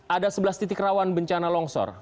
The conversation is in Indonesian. ada sebelas titik rawan bencana longsor